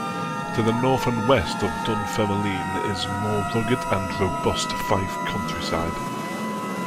To the north and west of Dunfermline is more rugged and robust Fife countryside.